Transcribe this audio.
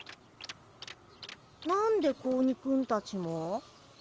何で子鬼くんたちも？